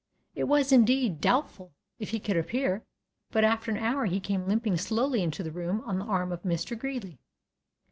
It was, indeed, doubtful if he could appear, but after an hour he came limping slowly into the room on the arm of Mr. Greeley.